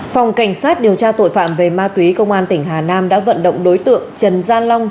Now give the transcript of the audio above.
phòng cảnh sát điều tra tội phạm về ma túy công an tỉnh hà nam đã vận động đối tượng trần gia long